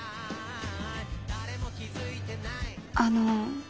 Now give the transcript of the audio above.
あの。